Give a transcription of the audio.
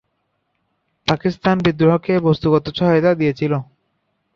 পাকিস্তান বিদ্রোহকে বস্তুগত সহায়তা দিয়েছিল।